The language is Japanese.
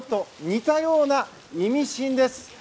森林浴と似たような「イミシンです」。